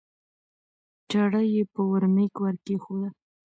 چړه یې په ورمېږ ورکېښوده